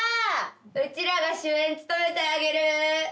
うちらが主演務めてあげる。